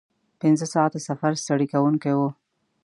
پنځه ساعته سفر ستړی کوونکی و.